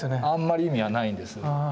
あんまり意味はないんです。